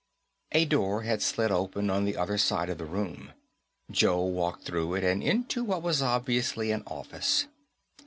A door had slid open on the other side of the room. Joe walked through it and into what was obviously an office.